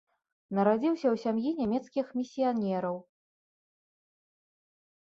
Нарадзіўся ў сям'і нямецкіх місіянераў.